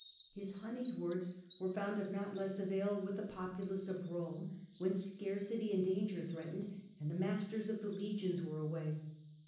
His honied words were found of not less avail with the populace of Rome, when scarcity and danger threatened and the masters of the legions were away.